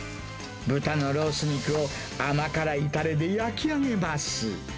豚のロース肉を甘辛いたれで焼き上げます。